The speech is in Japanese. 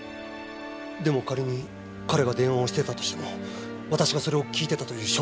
でも仮に彼が電話をしてたとしても私がそれを聞いてたという証拠があるんですか？